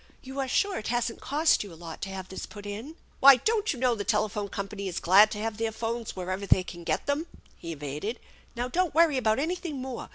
You are sure it hasn't cost you a lot to have this put in ?"" Why, don't you know the telephone company is glad to have their phones wherever they can get them ?" he evaded. " Now, don't worry about anything more.